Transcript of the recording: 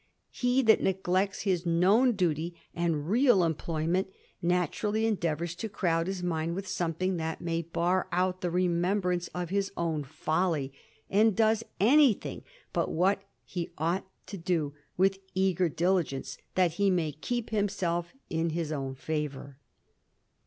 He that neglects i las known duty and real emplojnnent, naturally endeavours .to CTowd his mind with something that may bar out the •emembrance of his own folly, and does any thing but what 'kt ought to do with eager diligence, that he may keep [fcanself in his own favour.